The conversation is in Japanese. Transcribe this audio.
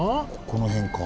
この辺か。